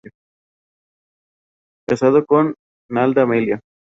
Casado con Nalda Amelia.